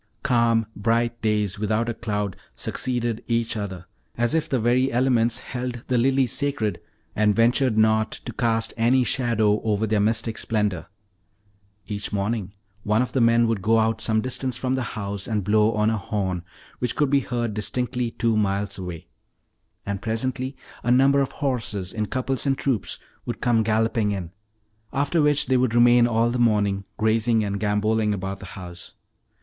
Calm, bright days without a cloud succeeded each other, as if the very elements held the lilies sacred and ventured not to cast any shadow over their mystic splendor. Each morning one of the men would go out some distance from the house and blow on a horn, which could be heard distinctly two miles away; and presently a number of horses, in couples and troops, would come galloping in, after which they would remain all the morning grazing and gamboling about the house.